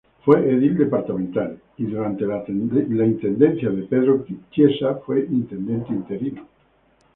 Fue edil departamental y durante la intendencia de Pedro Chiesa fue intendente interino.